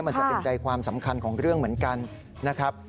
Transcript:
มันจะเป็นใจความสำคัญของเรื่องเหมือนกันนะครับ